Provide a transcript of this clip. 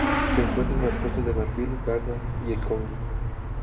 Se encuentra en Costa de Marfil, Ghana y el Congo.